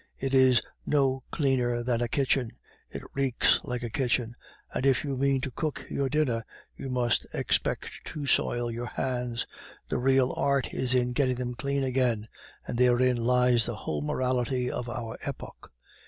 It is no cleaner than a kitchen; it reeks like a kitchen; and if you mean to cook your dinner, you must expect to soil your hands; the real art is in getting them clean again, and therein lies the whole morality of our epoch.